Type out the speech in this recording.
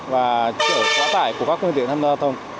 và chở quá tải